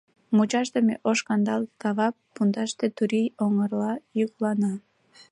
Мучашдыме ош-кандалге кава пундаште турий оҥгырла йӱклана.